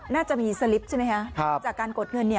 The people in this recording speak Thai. น่าจะมีสลิปใช่ไหมคะจากการกดเงิน